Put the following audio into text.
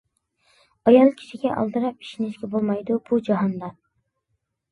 ئايال كىشىگە ئالدىراپ ئىشىنىشكە بولمايدۇ بۇ جاھاندا.